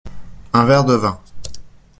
Un verre de vin.